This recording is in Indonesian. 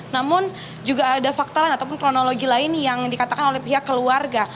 namun juga ada fakta lain ataupun kronologi lain yang dikatakan oleh pihak keluarga